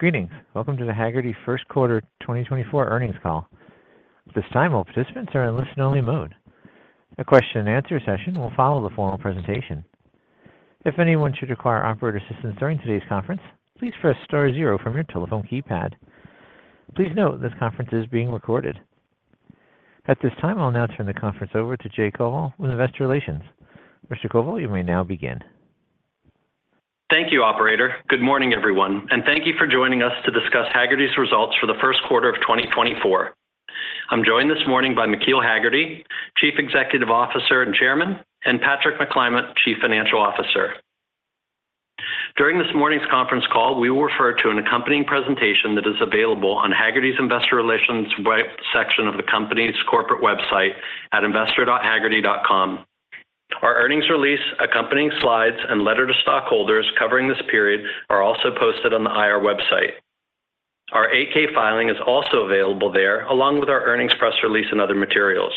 Greetings! Welcome to the Hagerty first quarter 2024 earnings call. At this time, all participants are in listen-only mode. A question-and-answer session will follow the formal presentation. If anyone should require operator assistance during today's conference, please press star zero from your telephone keypad. Please note, this conference is being recorded. At this time, I'll now turn the conference over to Jay Koval with Investor Relations. Mr. Koval, you may now begin. Thank you, operator. Good morning, everyone, and thank you for joining us to discuss Hagerty's results for the first quarter of 2024. I'm joined this morning by McKeel Hagerty, Chief Executive Officer and Chairman, and Patrick McClymont, Chief Financial Officer. During this morning's conference call, we will refer to an accompanying presentation that is available on Hagerty's Investor Relations web section of the company's corporate website at investor.hagerty.com. Our earnings release, accompanying slides, and letter to stockholders covering this period are also posted on the IR website. Our 8-K filing is also available there, along with our earnings press release and other materials.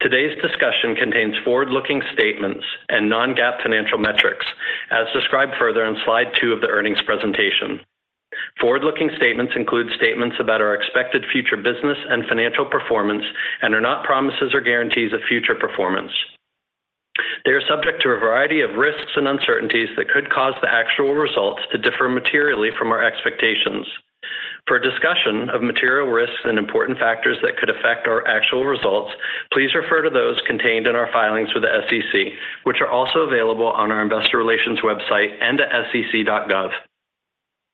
Today's discussion contains forward-looking statements and Non-GAAP financial metrics, as described further on slide 2 of the earnings presentation. Forward-looking statements include statements about our expected future business and financial performance and are not promises or guarantees of future performance. They are subject to a variety of risks and uncertainties that could cause the actual results to differ materially from our expectations. For a discussion of material risks and important factors that could affect our actual results, please refer to those contained in our filings with the SEC, which are also available on our Investor Relations website and at sec.gov.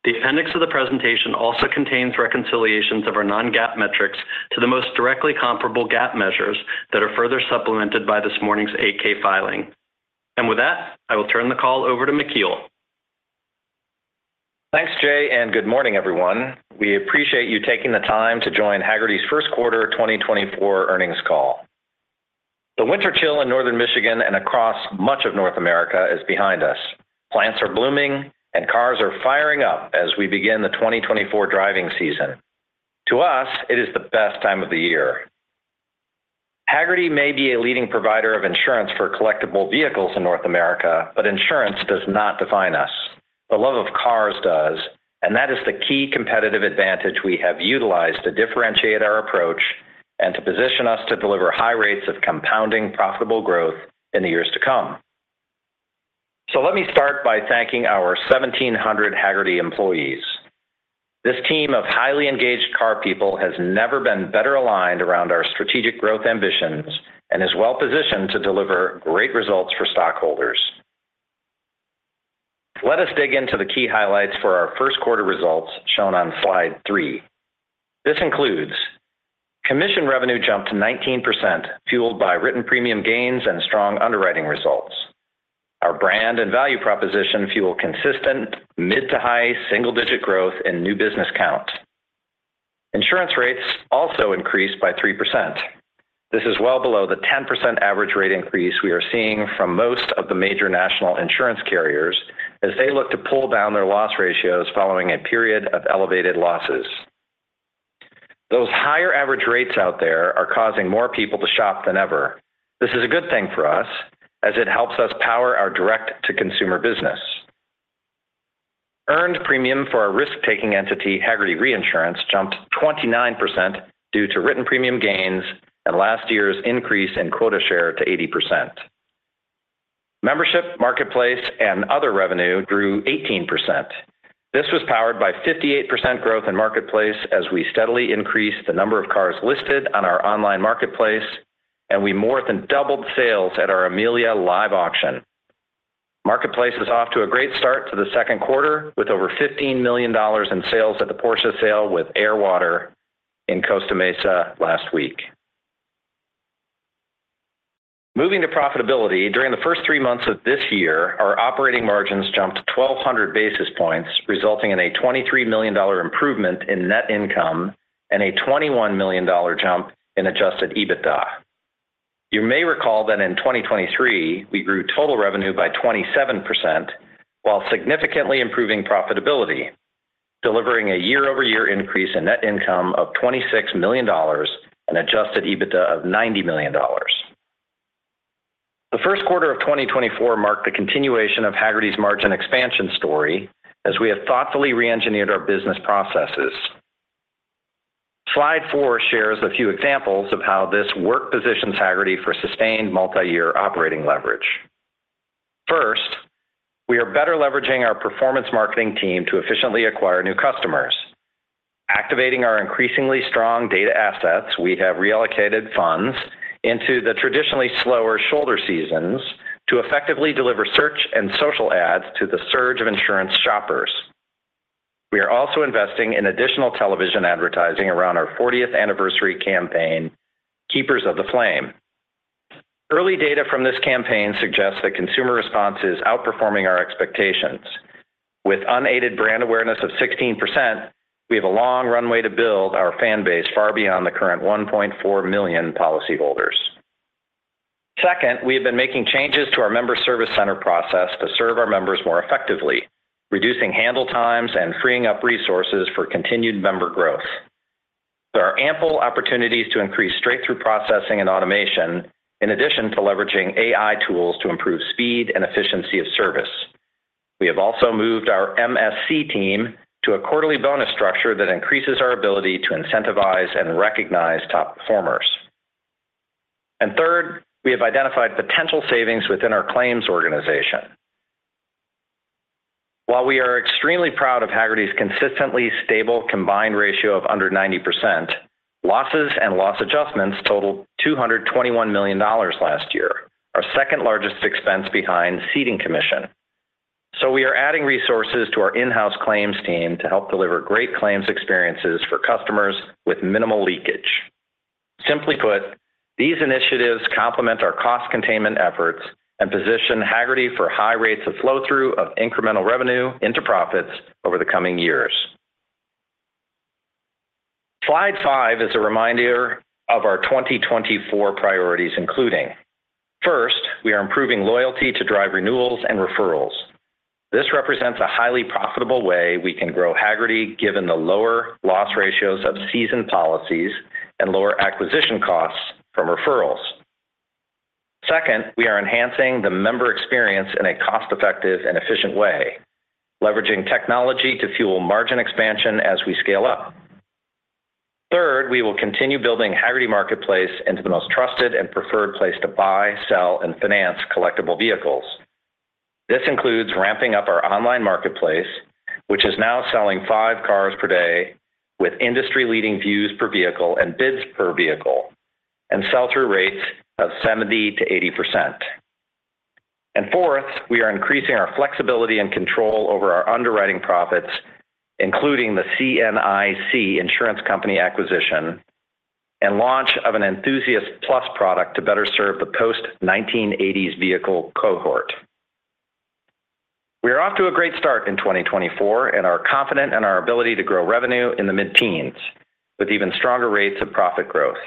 The appendix of the presentation also contains reconciliations of our non-GAAP metrics to the most directly comparable GAAP measures that are further supplemented by this morning's 8-K filing. With that, I will turn the call over to McKeel. Thanks, Jay, and good morning, everyone. We appreciate you taking the time to join Hagerty's first quarter 2024 earnings call. The winter chill in Northern Michigan and across much of North America is behind us. Plants are blooming and cars are firing up as we begin the 2024 driving season. To us, it is the best time of the year. Hagerty may be a leading provider of insurance for collectible vehicles in North America, but insurance does not define us. The love of cars does, and that is the key competitive advantage we have utilized to differentiate our approach and to position us to deliver high rates of compounding profitable growth in the years to come. So let me start by thanking our 1,700 Hagerty employees. This team of highly engaged car people has never been better aligned around our strategic growth ambitions and is well positioned to deliver great results for stockholders. Let us dig into the key highlights for our first quarter results, shown on Slide 3. This includes commission revenue jumped 19%, fueled by written premium gains and strong underwriting results. Our brand and value proposition fuel consistent mid to high single-digit growth in new business count. Insurance rates also increased by 3%. This is well below the 10% average rate increase we are seeing from most of the major national insurance carriers as they look to pull down their loss ratios following a period of elevated losses. Those higher average rates out there are causing more people to shop than ever. This is a good thing for us as it helps us power our direct-to-consumer business. Earned premium for our risk-taking entity, Hagerty Reinsurance, jumped 29% due to written premium gains and last year's increase in quota share to 80%. Membership, marketplace, and other revenue grew 18%. This was powered by 58% growth in marketplace as we steadily increased the number of cars listed on our online marketplace, and we more than doubled sales at our Amelia live auction. Marketplace is off to a great start to the second quarter, with over $15 million in sales at the Porsche Sale with Air|Water in Costa Mesa last week. Moving to profitability, during the first three months of this year, our operating margins jumped 1,200 basis points, resulting in a $23 million improvement in net income and a $21 million jump in Adjusted EBITDA. You may recall that in 2023, we grew total revenue by 27% while significantly improving profitability, delivering a year-over-year increase in net income of $26 million and Adjusted EBITDA of $90 million. The first quarter of 2024 marked the continuation of Hagerty's margin expansion story as we have thoughtfully reengineered our business processes. Slide 4 shares a few examples of how this work positions Hagerty for sustained multi-year operating leverage. First, we are better leveraging our performance marketing team to efficiently acquire new customers. Activating our increasingly strong data assets, we have reallocated funds into the traditionally slower shoulder seasons to effectively deliver search and social ads to the surge of insurance shoppers. We are also investing in additional television advertising around our 40th anniversary campaign, Keepers of the Flame. Early data from this campaign suggests that consumer response is outperforming our expectations. With unaided brand awareness of 16%, we have a long runway to build our fan base far beyond the current 1.4 million policyholders. Second, we have been making changes to our Member Service Center process to serve our members more effectively, reducing handle times and freeing up resources for continued member growth. There are ample opportunities to increase straight-through processing and automation, in addition to leveraging AI tools to improve speed and efficiency of service. We have also moved our MSC team to a quarterly bonus structure that increases our ability to incentivize and recognize top performers. And third, we have identified potential savings within our claims organization. While we are extremely proud of Hagerty's consistently stable combined ratio of under 90%, losses and loss adjustments totaled $221 million last year, our second-largest expense behind ceding commission. So we are adding resources to our in-house claims team to help deliver great claims experiences for customers with minimal leakage. Simply put, these initiatives complement our cost containment efforts and position Hagerty for high rates of flow-through of incremental revenue into profits over the coming years. Slide 5 is a reminder of our 2024 priorities, including, first, we are improving loyalty to drive renewals and referrals. This represents a highly profitable way we can grow Hagerty, given the lower loss ratios of seasoned policies and lower acquisition costs from referrals. Second, we are enhancing the member experience in a cost-effective and efficient way, leveraging technology to fuel margin expansion as we scale up. Third, we will continue building Hagerty Marketplace into the most trusted and preferred place to buy, sell, and finance collectible vehicles. This includes ramping up our online marketplace, which is now selling 5 cars per day with industry-leading views per vehicle and bids per vehicle, and sell-through rates of 70%-80%. And fourth, we are increasing our flexibility and control over our underwriting profits, including the CNIC Insurance Company acquisition and launch of an Enthusiast Plus product to better serve the post-1980s vehicle cohort. We are off to a great start in 2024 and are confident in our ability to grow revenue in the mid-teens with even stronger rates of profit growth.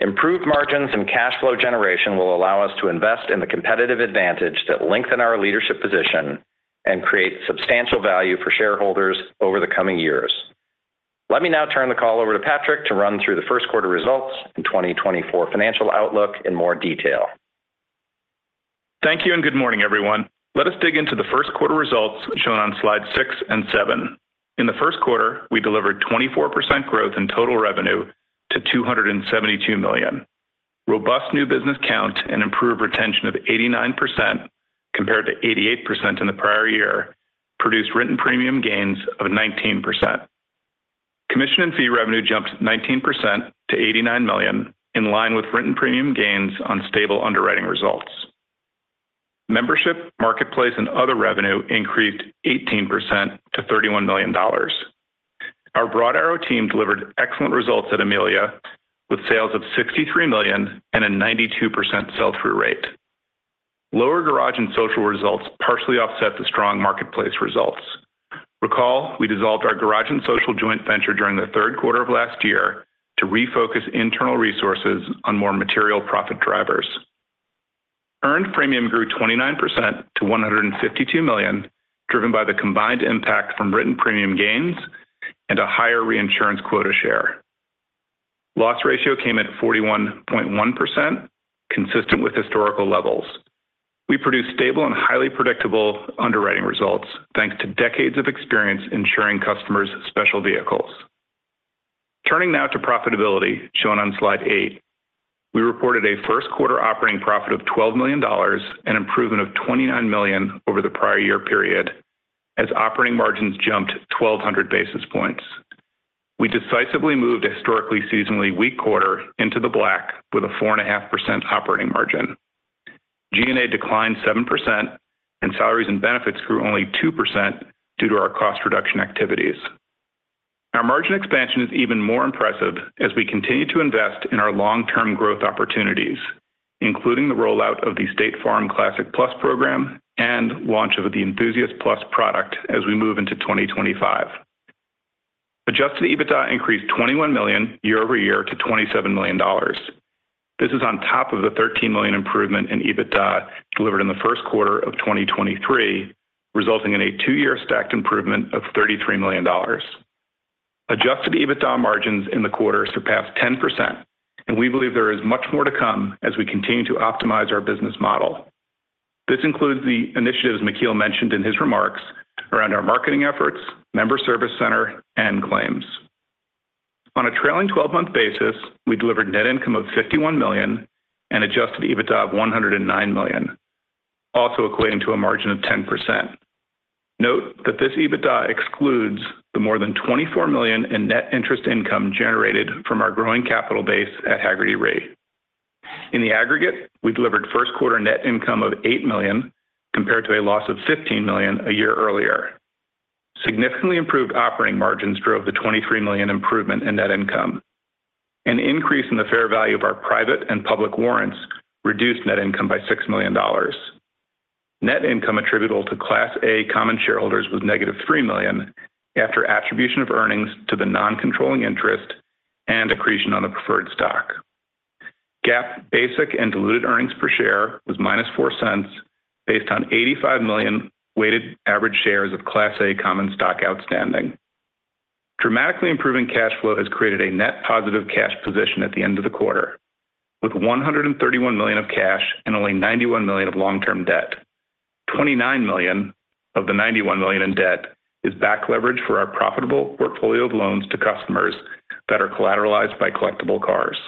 Improved margins and cash flow generation will allow us to invest in the competitive advantage that lengthen our leadership position and create substantial value for shareholders over the coming years. Let me now turn the call over to Patrick to run through the first quarter results and 2024 financial outlook in more detail. Thank you, and good morning, everyone. Let us dig into the first quarter results shown on slides 6 and 7. In the first quarter, we delivered 24% growth in total revenue to $272 million. Robust new business count and improved retention of 89%, compared to 88% in the prior year, produced written premium gains of 19%. Commission and fee revenue jumped 19% to $89 million, in line with written premium gains on stable underwriting results. Membership, marketplace, and other revenue increased 18% to $31 million. Our Broad Arrow team delivered excellent results at Amelia, with sales of $63 million and a 92% sell-through rate. Lower Garage + Social results partially offset the strong marketplace results. Recall, we dissolved our Garage + Social joint venture during the third quarter of last year to refocus internal resources on more material profit drivers. Earned premium grew 29% to $152 million, driven by the combined impact from written premium gains and a higher reinsurance quota share. Loss ratio came at 41.1%, consistent with historical levels. We produced stable and highly predictable underwriting results, thanks to decades of experience insuring customers' special vehicles. Turning now to profitability, shown on slide 8. We reported a first quarter operating profit of $12 million, an improvement of $29 million over the prior year period, as operating margins jumped 1,200 basis points. We decisively moved a historically seasonally weak quarter into the black with a 4.5% operating margin. G&A declined 7%, and salaries and benefits grew only 2% due to our cost reduction activities. Our margin expansion is even more impressive as we continue to invest in our long-term growth opportunities, including the rollout of the State Farm Classic+ program and launch of the Enthusiast Plus product as we move into 2025. Adjusted EBITDA increased $21 million year-over-year to $27 million. This is on top of the $13 million improvement in EBITDA delivered in the first quarter of 2023, resulting in a two-year stacked improvement of $33 million. Adjusted EBITDA margins in the quarter surpassed 10%, and we believe there is much more to come as we continue to optimize our business model. This includes the initiatives McKeel mentioned in his remarks around our marketing efforts, Member Service Center, and claims. On a trailing twelve-month basis, we delivered net income of $51 million and adjusted EBITDA of $109 million, also equating to a margin of 10%. Note that this EBITDA excludes the more than $24 million in net interest income generated from our growing capital base at Hagerty Re. In the aggregate, we delivered first quarter net income of $8 million, compared to a loss of $15 million a year earlier. Significantly improved operating margins drove the $23 million improvement in net income. An increase in the fair value of our private and public warrants reduced net income by $6 million. Net income attributable to Class A common shareholders was -$3 million after attribution of earnings to the non-controlling interest and accretion on the preferred stock. Basic and diluted earnings per share was -$0.04, based on 85 million weighted average shares of Class A common stock outstanding. Dramatically improving cash flow has created a net positive cash position at the end of the quarter, with $131 million of cash and only $91 million of long-term debt. $29 million of the $91 million in debt is back leverage for our profitable portfolio of loans to customers that are collateralized by collectible cars.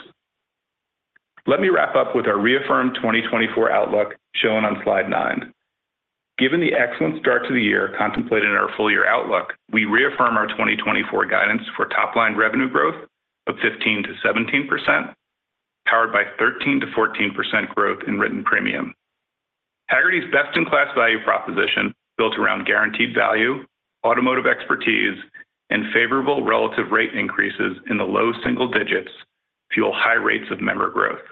Let me wrap up with our reaffirmed 2024 outlook, shown on slide 9. Given the excellent start to the year contemplated in our full year outlook, we reaffirm our 2024 guidance for top-line revenue growth of 15%-17%, powered by 13%-14% growth in written premium. Hagerty's best-in-class value proposition, built around guaranteed value, automotive expertise, and favorable relative rate increases in the low single digits, fuel high rates of member growth.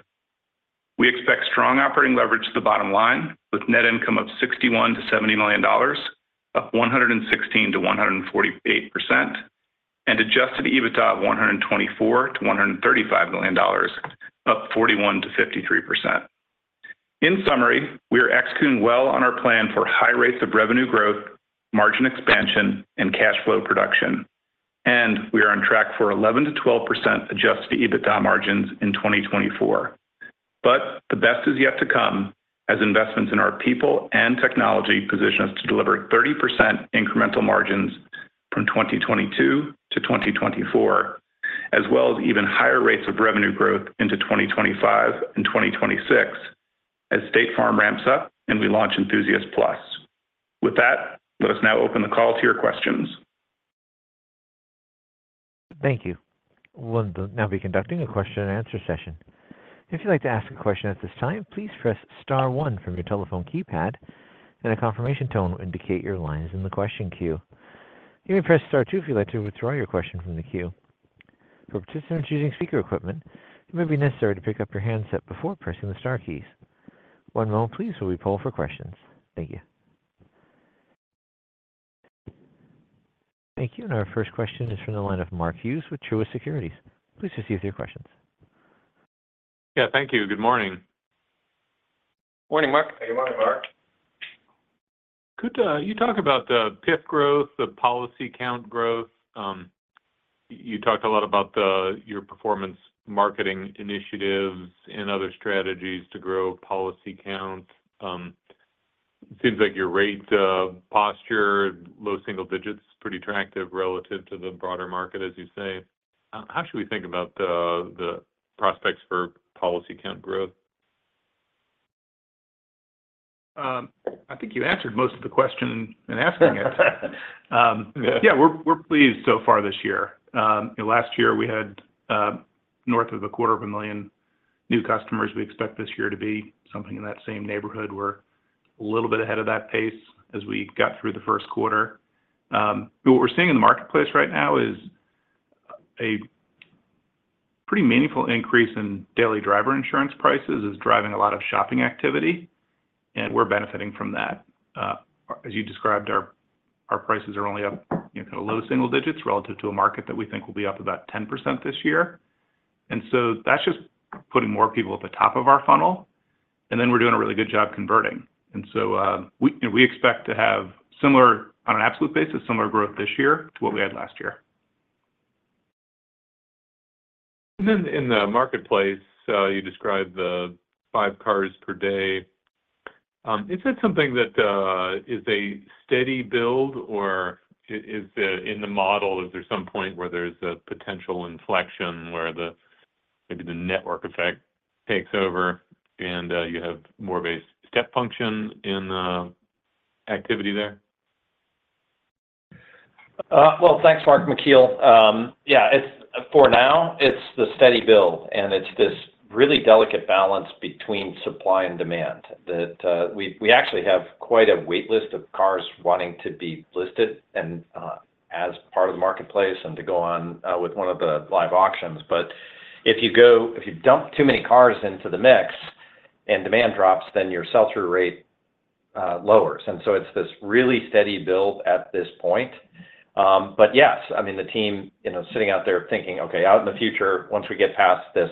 We expect strong operating leverage to the bottom line, with net income of $61 million-$70 million, up 116%-148%, and Adjusted EBITDA of $124 million-$135 million, up 41%-53%. In summary, we are executing well on our plan for high rates of revenue growth, margin expansion, and cash flow production, and we are on track for 11%-12% Adjusted EBITDA margins in 2024. But the best is yet to come, as investments in our people and technology position us to deliver 30% incremental margins from 2022 to 2024, as well as even higher rates of revenue growth into 2025 and 2026 as State Farm ramps up and we launch Enthusiast Plus. With that, let us now open the call to your questions. Thank you. We'll now be conducting a question and answer session. If you'd like to ask a question at this time, please press star one from your telephone keypad, and a confirmation tone will indicate your line is in the question queue. You may press star two if you'd like to withdraw your question from the queue. For participants using speaker equipment, it may be necessary to pick up your handset before pressing the star keys. One moment please, while we poll for questions. Thank you. Thank you. And our first question is from the line of Mark Hughes with Truist Securities. Please proceed with your questions. Yeah, thank you. Good morning. Morning, Mark. Good morning, Mark. Could you talk about the PIF growth, the policy count growth? You talked a lot about your performance marketing initiatives and other strategies to grow policy count. Seems like your rate posture, low single digits, pretty attractive relative to the broader market, as you say. How should we think about the prospects for policy count growth? I think you answered most of the question in asking it. Yeah, we're pleased so far this year. Last year, we had north of 250,000 new customers. We expect this year to be something in that same neighborhood. We're a little bit ahead of that pace as we got through the first quarter. But what we're seeing in the marketplace right now is a pretty meaningful increase in daily driver insurance prices, is driving a lot of shopping activity, and we're benefiting from that. As you described, our prices are only up in low single digits relative to a market that we think will be up about 10% this year. And so that's just putting more people at the top of our funnel, and then we're doing a really good job converting. We expect to have similar, on an absolute basis, similar growth this year to what we had last year. Then in the marketplace, you described the 5 cars per day. Is that something that is a steady build, or in the model, is there some point where there's a potential inflection, where maybe the network effect takes over and you have more of a step function in the activity there? Well, thanks, Mark. McKeel. Yeah, it's, for now, the steady build, and it's this really delicate balance between supply and demand, that we actually have quite a wait list of cars wanting to be listed and as part of the marketplace and to go on with one of the live auctions. But if you dump too many cars into the mix and demand drops, then your sell-through rate lowers. And so it's this really steady build at this point. But yes, I mean, the team, you know, sitting out there thinking, "Okay, out in the future, once we get past this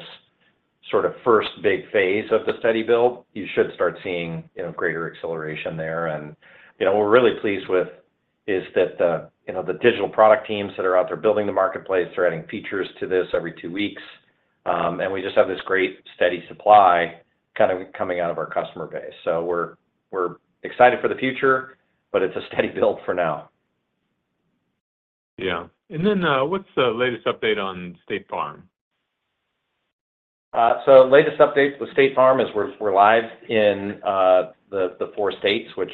sort of first big phase of the steady build, you should start seeing, you know, greater acceleration there." And, you know, we're really pleased with is that the, you know, the digital product teams that are out there building the marketplace, they're adding features to this every two weeks. And we just have this great steady supply kind of coming out of our customer base. So we're, we're excited for the future, but it's a steady build for now. Yeah. And then, what's the latest update on State Farm? So latest update with State Farm is we're live in the four states, which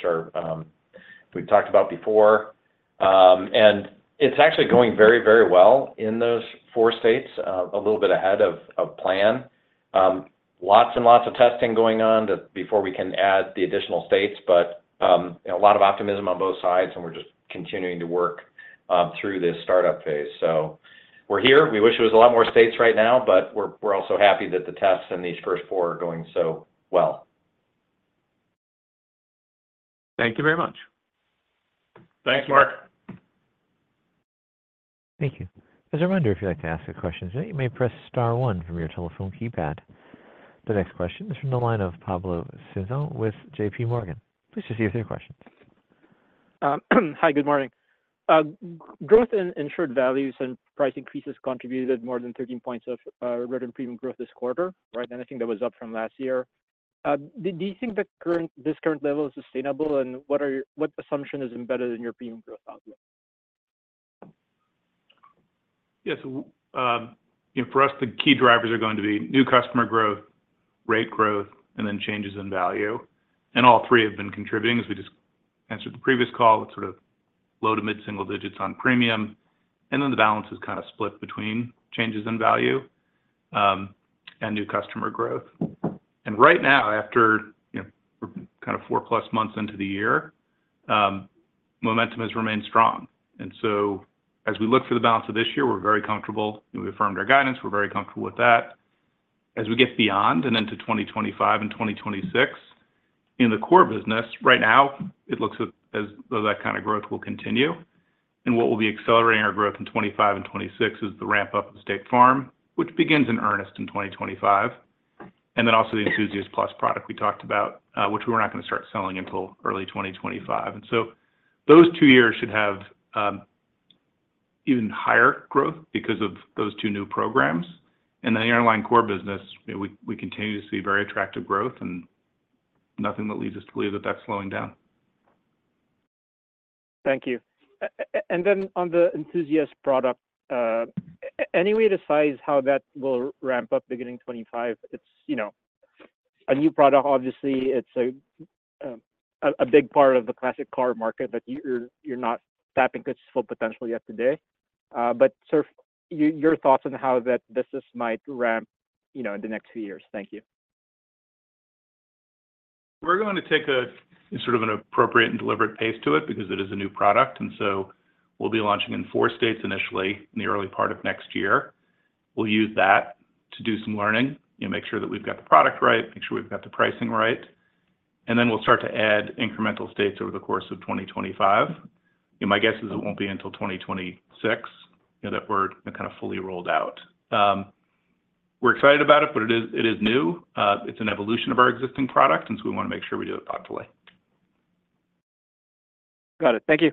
we've talked about before. And it's actually going very, very well in those four states, a little bit ahead of plan. Lots and lots of testing going on before we can add the additional states, but a lot of optimism on both sides, and we're just continuing to work through this startup phase. So we're here. We wish it was a lot more states right now, but we're also happy that the tests in these first four are going so well.... Thank you very much. Thanks, Mark. Thank you. As a reminder, if you'd like to ask a question, you may press star one from your telephone keypad. The next question is from the line of Pablo Singzon with J.P. Morgan. Please proceed with your question. Hi, good morning. Growth in insured values and price increases contributed more than 13 points of written premium growth this quarter, right? I think that was up from last year. Do you think the current, this current level is sustainable, and what assumption is embedded in your premium growth outlook? Yes. So, you know, for us, the key drivers are going to be new customer growth, rate growth, and then changes in value. And all three have been contributing, as we just answered the previous call, with sort of low- to mid-single digits on premium, and then the balance is kind of split between changes in value, and new customer growth. And right now, after, you know, kind of four-plus months into the year, momentum has remained strong. And so as we look for the balance of this year, we're very comfortable. We've affirmed our guidance. We're very comfortable with that. As we get beyond and into 2025 and 2026, in the core business, right now, it looks as though that kind of growth will continue, and what will be accelerating our growth in 2025 and 2026 is the ramp-up of State Farm, which begins in earnest in 2025, and then also the Enthusiast Plus product we talked about, which we're not going to start selling until early 2025. And so those two years should have even higher growth because of those two new programs. And then the underlying core business, we continue to see very attractive growth and nothing that leads us to believe that that's slowing down. Thank you. And then on the Enthusiast product, any way to size how that will ramp up beginning 2025? It's, you know, a new product. Obviously, it's a big part of the classic car market, but you're not tapping its full potential yet today. But so your thoughts on how that business might ramp, you know, in the next few years. Thank you. We're going to take a sort of an appropriate and deliberate pace to it because it is a new product, and so we'll be launching in four states initially in the early part of next year. We'll use that to do some learning, you know, make sure that we've got the product right, make sure we've got the pricing right, and then we'll start to add incremental states over the course of 2025. And my guess is it won't be until 2026, you know, that we're kind of fully rolled out. We're excited about it, but it is, it is new. It's an evolution of our existing product, and so we want to make sure we do it thoughtfully. Got it. Thank you.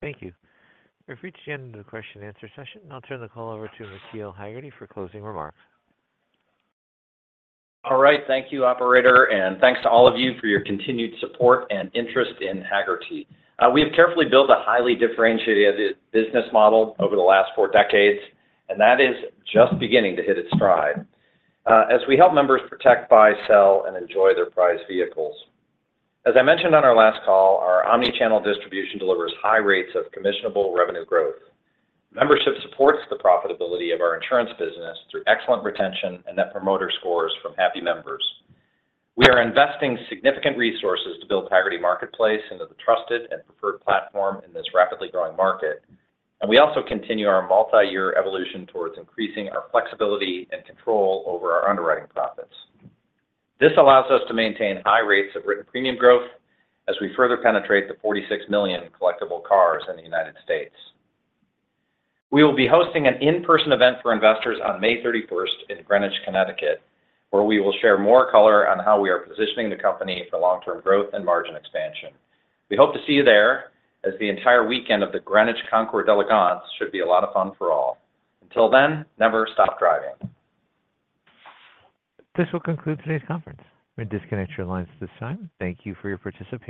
Thank you. We've reached the end of the question and answer session. I'll turn the call over to McKeel Hagerty for closing remarks. All right. Thank you, operator, and thanks to all of you for your continued support and interest in Hagerty. We have carefully built a highly differentiated business model over the last four decades, and that is just beginning to hit its stride, as we help members protect, buy, sell, and enjoy their prized vehicles. As I mentioned on our last call, our omni-channel distribution delivers high rates of commissionable revenue growth. Membership supports the profitability of our insurance business through excellent retention and Net Promoter Scores from happy members. We are investing significant resources to build Hagerty Marketplace into the trusted and preferred platform in this rapidly growing market, and we also continue our multi-year evolution towards increasing our flexibility and control over our underwriting profits. This allows us to maintain high rates of written premium growth as we further penetrate the 46 million collectible cars in the United States. We will be hosting an in-person event for investors on May 31st in Greenwich, Connecticut, where we will share more color on how we are positioning the company for long-term growth and margin expansion. We hope to see you there, as the entire weekend of the Greenwich Concours d'Elegance should be a lot of fun for all. Until then, never stop driving. This will conclude today's conference. You may disconnect your lines at this time. Thank youfor your participation.